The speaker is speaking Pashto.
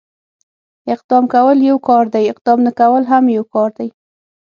اقدام کول يو کار دی، اقدام نه کول هم يو کار دی.